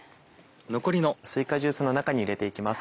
残りのすいかジュースの中に入れて行きます。